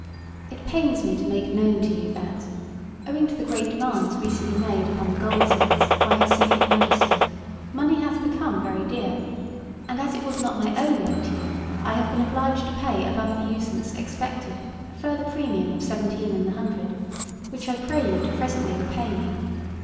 It pains me to make known to you that, owing to the great demands recently made upon the goldsmiths by her sacred Majesty, money hath become very dear; and as it was not my own lent you, I have been obliged to pay above the usance expected a further premium of seventeen in the hundred, which I pray you to presently repay me.